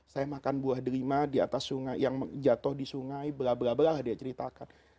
saya makan buah delima di atas sungai yang jatuh di sungai bla bla bla dia ceritakan